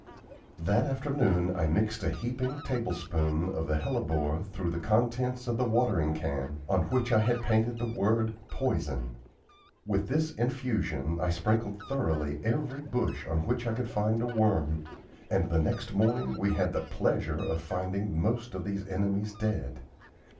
That afternoon I mixed a heaping tablespoonful of the hellebore through the contents of the watering can, on which I had painted the word "Poison." With this infusion I sprinkled thoroughly every bush on which I could find a worm, and the next morning we had the pleasure of finding most of these enemies dead.